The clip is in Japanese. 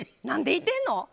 何でいてんの？